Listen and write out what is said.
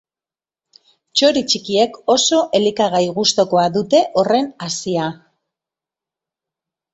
Txori txikiek oso elikagai gustukoa dute horren hazia.